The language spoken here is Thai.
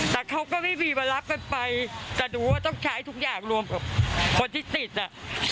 แต่เขาก็ไม่มีวันรับกันไปแต่ดูว่าต้องใช้ทุกอย่างรวมกับคนที่ติดอ่ะ